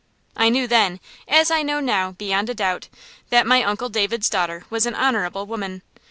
I knew then, as I know now, beyond a doubt, that my Uncle David's daughter was an honorable woman.